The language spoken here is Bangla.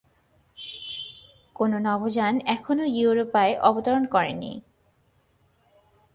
কোনো নভোযান এখনো ইউরোপায় অবতরণ করে নি।